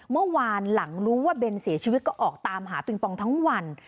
เมื่อวานหลังรู้ว่าเบนเสียชีวิตก็ออกตามหาปิงปองทั้งวัน